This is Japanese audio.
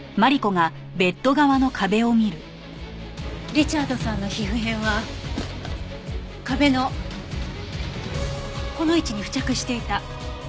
リチャードさんの皮膚片は壁のこの位置に付着していた。